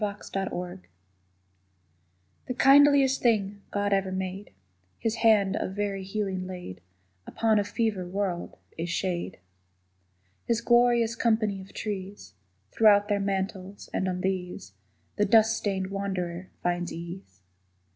SHADE The kindliest thing God ever made, His hand of very healing laid Upon a fevered world, is shade. His glorious company of trees Throw out their mantles, and on these The dust stained wanderer finds ease.